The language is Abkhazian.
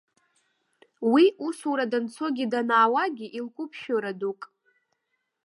Уи усура данцогьы данаауагьы илкуп шәыра дук.